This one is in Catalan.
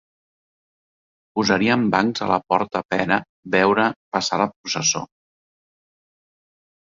Posarien bancs a la porta pera veure passar la processó